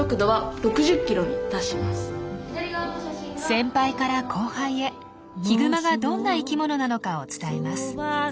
先輩から後輩へヒグマがどんな生きものなのかを伝えます。